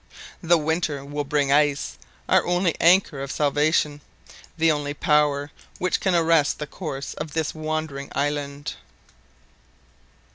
The winter will bring ice, our only anchor of salvation, the only power which can arrest the course of this wandering island."